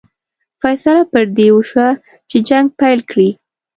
فیصله پر دې وشوه چې جنګ پیل کړي.